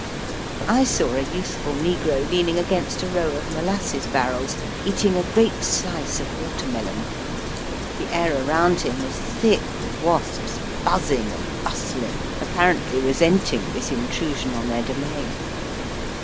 I saw a youthful negro leaning against a row of molasses barrels eating a great sUce of water melon. The air around him was thick with wasps, buzzing and bustling, apparently Digitized by VjOOQIC SOME WESTERN TOWNS. 47 resenting this intrusion on their domain.